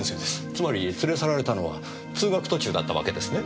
つまり連れ去られたのは通学途中だったわけですね？